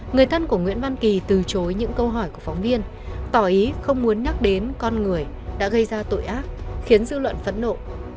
người thân của nguyễn văn kỳ từ chối những câu hỏi của phóng viên tỏ ý không muốn nhắc đến con người đã gây ra tội ác khiến dư luận phẫn nộ